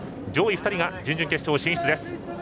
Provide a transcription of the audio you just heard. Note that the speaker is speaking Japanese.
上位２人が準々決勝進出です。